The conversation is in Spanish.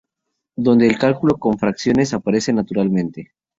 Donde el cálculo con fracciones aparece naturalmente.